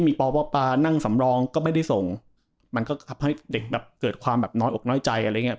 มันก็ทำให้เด็กเกิดความแบบน้อยออกน้อยใจอะไรอย่างเงี้ย